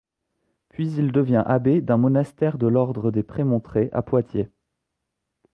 Puis il devient abbé d'un monastère de l’ordre des Prémontrés à Poitiers.